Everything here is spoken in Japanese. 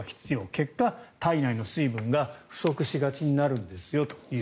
結果、体内の水分量が不足しがちになるんですよと。